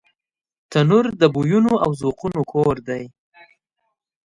تنور د بویونو او ذوقونو کور دی